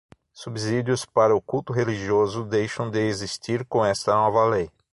Subsídios para o culto religioso deixam de existir com esta nova lei.